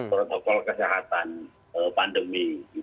protokol kesehatan pandemi